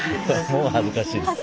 もう恥ずかしいです。